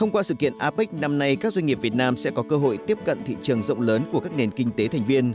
qua sự kiện apec năm nay các doanh nghiệp việt nam sẽ có cơ hội tiếp cận thị trường rộng lớn của các nền kinh tế thành viên